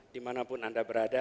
dimanapun anda berada